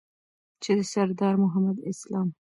چې د سردار محمد اسلام